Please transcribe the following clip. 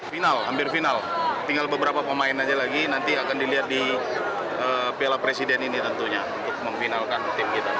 final hampir final tinggal beberapa pemain aja lagi nanti akan dilihat di piala presiden ini tentunya untuk memfinalkan tim kita